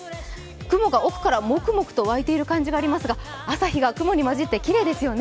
雲が奥からもくもくと湧いている感じがありますが朝日が雲に混じってきれいですよね。